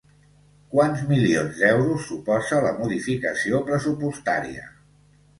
Quants milions d'euros suposa la modificació pressupostària?